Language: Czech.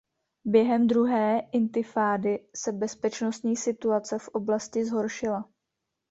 Během Druhé intifády se bezpečnostní situace v oblasti zhoršila.